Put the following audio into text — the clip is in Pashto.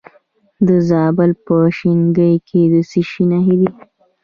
د زابل په شینکۍ کې د څه شي نښې دي؟